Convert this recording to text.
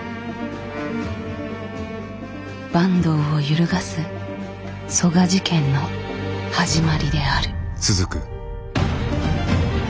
坂東を揺るがす曽我事件の始まりである。